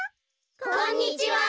こんにちは！